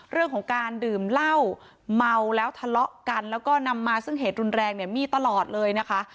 เรื่องของการดื่มเหล้าเมาแล้วทะเลาะกันแล้วก็นำมาซึ่งเหตุรุนแรงเนี่ยมีตลอดเลยนะคะ